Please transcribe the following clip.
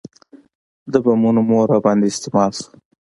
د بمونو مور راباندې استعمال شوه.